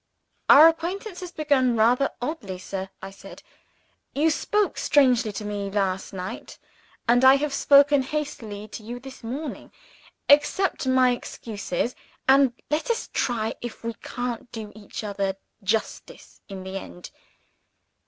"Our acquaintance has begun rather oddly, sir," I said. "You spoke strangely to me last night; and I have spoken hastily to you this morning. Accept my excuses and let us try if we can't do each other justice in the end.